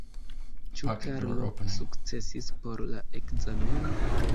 Ĉu Karlo sukcesis por la ekzameno?